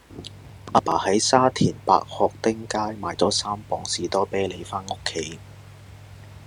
亞爸喺沙田白鶴汀街買左三磅士多啤梨返屋企